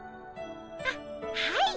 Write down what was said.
あっはい。